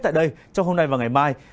tại đây trong hôm nay và ngày mai